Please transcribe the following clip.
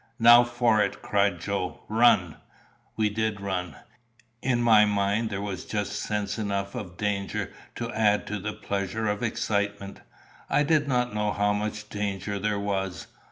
"Now for it!" cried Joe. "Run!" We did run. In my mind there was just sense enough of danger to add to the pleasure of the excitement. I did not know how much danger there was.